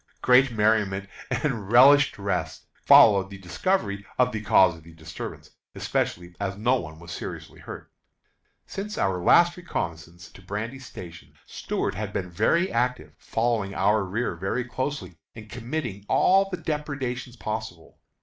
Great merriment and relished rest followed the discovery of the cause of disturbance, especially as no one was seriously hurt. Since our last reconnoissance to Brandy Station, Stuart has been very active, following our rear very closely, and committing all the depredations possible.